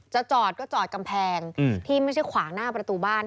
จอดก็จอดกำแพงที่ไม่ใช่ขวางหน้าประตูบ้าน